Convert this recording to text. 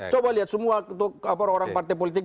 coba lihat semua orang partai politik